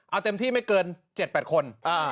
เอาเต็มที่ไม่เกิน๗๘คน